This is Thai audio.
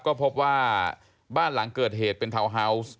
ก็พบว่าบ้านหลังเกิดเหตุเป็นทาวน์ฮาวส์